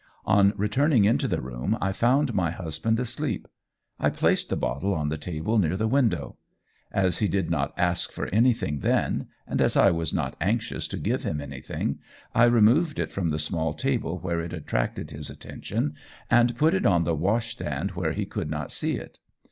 On returning into the room I found my husband asleep. I placed the bottle on the table near the window. As he did not ask for anything then, and as I was not anxious to give him anything, I removed it from the small table where it attracted his attention and put it on the washstand where he could not see it.